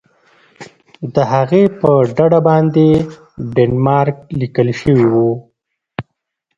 د هغې په ډډه باندې ډنمارک لیکل شوي وو.